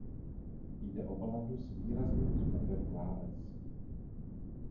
Jde o baladu s výrazným zvukem kláves.